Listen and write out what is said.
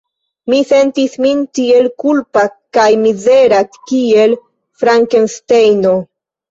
Mi sentis min tiel kulpa kaj mizera kiel Frankenstejno.